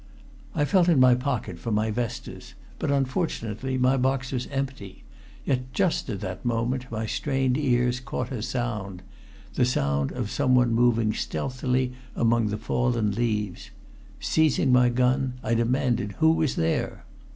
I felt in my pocket for my vestas, but unfortunately my box was empty. Yet just at that moment my strained ears caught a sound the sound of someone moving stealthily among the fallen leaves. Seizing my gun, I demanded who was there.